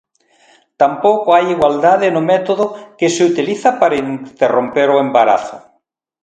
Tampouco hai igualdade no método que se utiliza para interromper o embarazo.